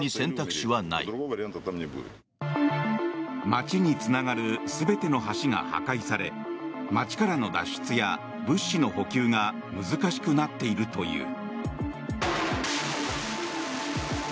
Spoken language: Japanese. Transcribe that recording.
街につながる全ての橋が破壊され街からの脱出や物資の補給が難しくなっているという。